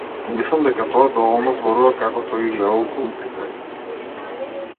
Мислам дека тоа доволно зборува како тој ги гледал глумците.